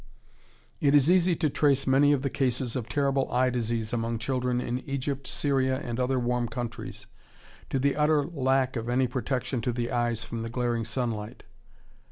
It is easy to trace many of the cases of terrible eye disease among children in Egypt, Syria, and other warm countries to the utter lack of any protection to the eyes from the glaring sunlight.